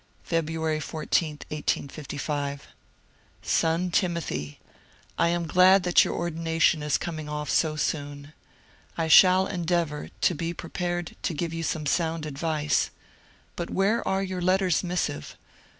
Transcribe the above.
Feb. 14, 1855. — Son Timothy, — I am glad that your or dination is coming off so soon. I shall endeavour to be prepared to give you some sound advice. But where are your ^^ letters missive